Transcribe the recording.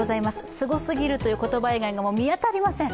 すごすぎるという言葉以外に見当たりません。